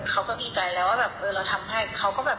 เขาก็ดีใจแล้วว่าแบบเออเราทำให้เขาก็แบบ